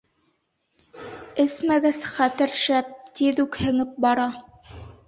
Эсмәгәс, хәтер шәп, тиҙ үк һеңеп бара.